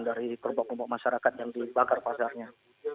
dari kerubuk kerubuk masyarakat yang dibakar pasarnya